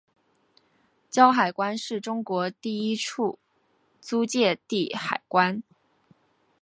胶海关是中国第一处租借地海关。